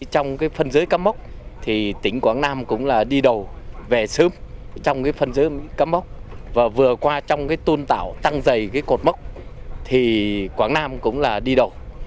trong phần giới cán mốc thì tỉnh quảng nam cũng là đi đầu về sớm trong phần giới cán mốc và vừa qua trong tôn tạo tăng dày cột mốc thì quảng nam cũng là đi đầu